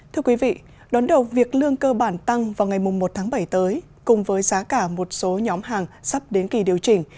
thưa quý vị đón đầu việc lương cơ bản tăng vào ngày một tháng bảy tới cùng với giá cả một số nhóm hàng sắp đến kỳ điều chỉnh